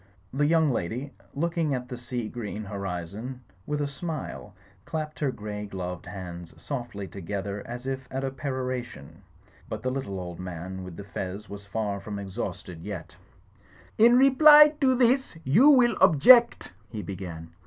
The young lady, looking at the sea green horizon with a smile, clapped her grey gloved hands $oftly together as if at a peroration. But the little old man with the fez was far from exhausted yet. •. Digitized by VjOOQ IC i6 THE FLYING INN "In reply to this you will object —^* he began.